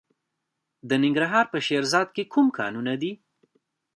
د ننګرهار په شیرزاد کې کوم کانونه دي؟